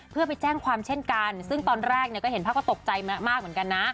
เพื่อไปแจ้งความเช่นกันซึ่งตอนแรกเนี่ยก็เห็นภาพก็ตกใจมากเหมือนกันนะ